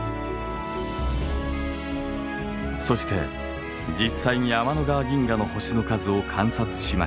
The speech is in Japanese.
そして実際に天の川銀河の星の数を観察しました。